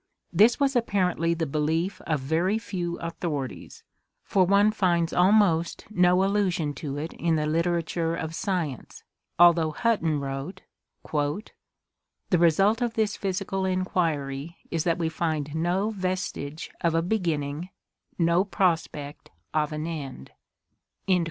This was apparently the belief of very few authorities, for one finds almost no allusion to it in the literature of science, although Hutton wrote: "The result of this physical enquiry is that we find no vestige of a beginning — no prospect of an end."